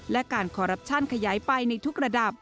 และการคอรัปชั่นขยายไปในทุกระดับ